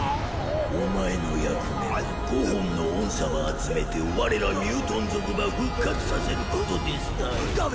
お前の役目は５本の音叉を集めて我らミュートン族ば復活させることですたい！